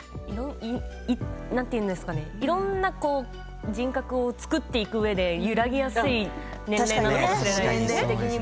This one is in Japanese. いろんな人格を作っていくうえで揺らぎやすい年齢かもしれないですね。